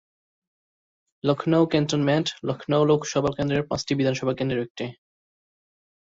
Lucknow cantonment, Lucknow Lok Sabha কেন্দ্রের পাঁচটি বিধানসভা কেন্দ্রের একটি।